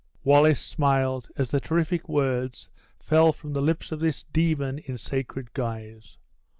Wallace smiled as the terrific words fell from the lips of this demon in sacred guise.